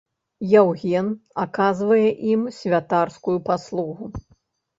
Яўген аказвае ім святарскую паслугу.